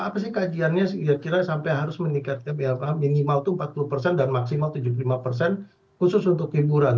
apa sih kajiannya kira kira sampai harus meningkatkan blk minimal itu empat puluh persen dan maksimal tujuh puluh lima persen khusus untuk hiburan